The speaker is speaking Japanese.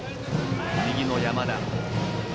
右の山田。